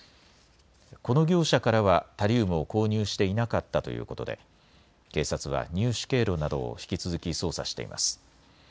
この業者からはタリウムを購入していなかったということで警察は入手経路などを引き続き捜査しています。